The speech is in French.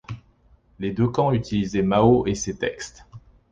Les deux camps utilisaient Mao, et ses textes.